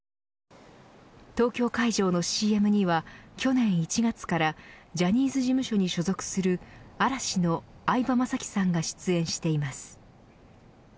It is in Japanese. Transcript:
東京海上のＣＭには去年１月からジャニーズ事務所に所属する嵐の相葉雅紀さんが出演しています。